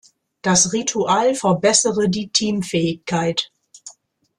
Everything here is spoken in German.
Das Ritual verbessere die Teamfähigkeit.